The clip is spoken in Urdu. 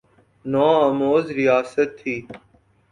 نو آموز ریاست تھی۔